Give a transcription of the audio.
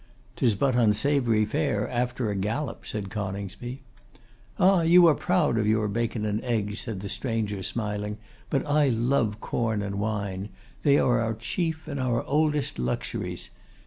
''Tis but unsavoury fare after a gallop,' said Coningsby. 'Ah! you are proud of your bacon and your eggs,' said the stranger, smiling, 'but I love corn and wine. They are our chief and our oldest luxuries.